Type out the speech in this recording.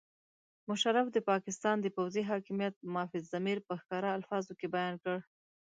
مشرف د پاکستان د پوځي حاکمیت مافي الضمیر په ښکاره الفاظو کې بیان کړ.